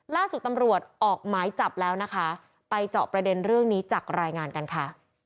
ล่าสุดตำรวจออกหมายจับแล้วนะคะไปเจาะประเด็นเรื่องนี้จากรายงานกันค่ะ